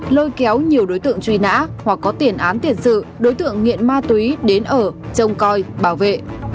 lôi kéo nhiều đối tượng truy nã hoặc có tiền án tiền sự đối tượng nghiện ma túy đến ở trông coi bảo vệ